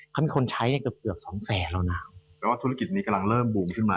เขามีคนใช้เนี่ยเกือบเกือบสองแสนแล้วนะแต่ว่าธุรกิจนี้กำลังเริ่มบูมขึ้นมา